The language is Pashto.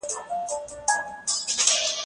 د احزاب غزا.